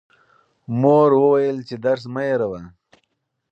مور وویل چې درس مه هېروه.